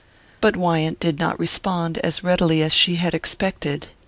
But Wyant did not respond as readily as she had expected.